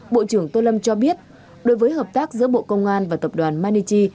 bộ trưởng tô lâm cho biết đối với hợp tác giữa bộ công an và tập đoàn manichi